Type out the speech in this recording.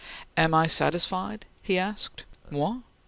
"Am I satisfied?" he asked: "Moi?